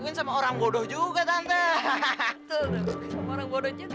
lihat dia udah jadi anak yang baik